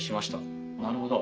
なるほど。